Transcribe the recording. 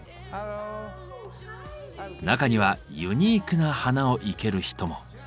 中にはユニークな花を生ける人も。